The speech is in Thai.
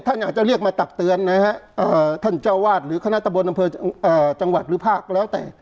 ท่านอาจจะเรียกมาตักเตือนนะฮะท่านเจ้าวาดหรือคณะตะบนอำเภอจังหวัดหรือภาคแล้วแต่